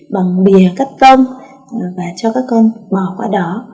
bằng bìa cắt tông và cho các con bò qua đó